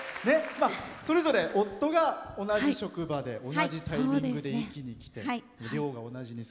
それぞれ夫が同じ職場で同じタイミングで壱岐に来て。